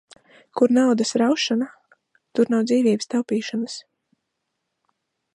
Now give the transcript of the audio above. Kur naudas raušana, tur nav dzīvības taupīšanas.